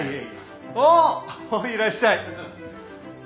あっいらっしゃい。